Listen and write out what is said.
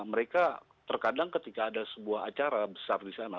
mereka terkadang ketika ada sebuah acara besar di sana